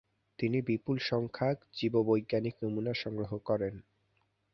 তিনি বিপুল সংখ্যক জীববৈজ্ঞানিক নমুনা সংগ্রহ করেন।